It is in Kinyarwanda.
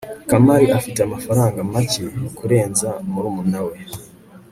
kamari afite amafaranga make kurenza murumuna we